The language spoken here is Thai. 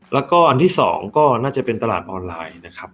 แล้วก็อันที่๒ก็น่าจะเป็นตลาดออนไลน์นะครับ